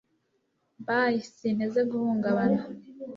bye, sinteze guhungabana